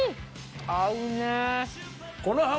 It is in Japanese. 合うね。